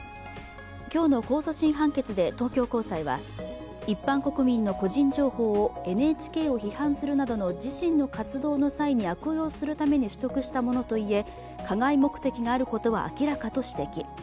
今日の控訴審判決で東京高裁は、一般国民の個人情報をＮＨＫを批判するなどの自身の活動の際に悪用するために取得したものといえ加害目的があることは明らかと指摘。